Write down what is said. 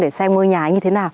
để xem ngôi nhà ấy như thế nào